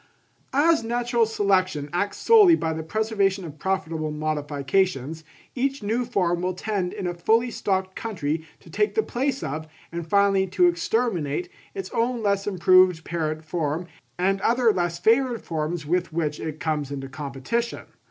_—As natural selection acts solely by the preservation of profitable modifications, each new form will tend in a fully stocked country to take the place of, and finally to exterminate, its own less improved parent form and other less favoured forms with which it comes into competition.